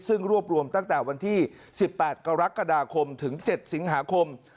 ซึ่งรวบรวมตั้งแต่วันที่๑๘กรกฎาคมถึง๗สิงหาคม